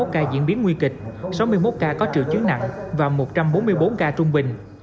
một ca diễn biến nguy kịch sáu mươi một ca có triệu chứng nặng và một trăm bốn mươi bốn ca trung bình